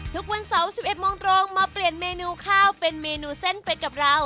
ทุกวันเสาร์๑๑โมงตรงมาเปลี่ยนเมนูข้าวเป็นเมนูเส้นไปกับเรา